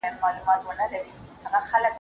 د ماشوم د ژړا علت ته پام وکړئ.